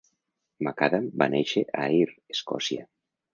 McAdam va néixer a Ayr, Escòcia.